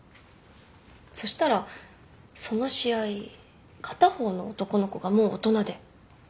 そしたらその試合片方の男の子がもう大人で。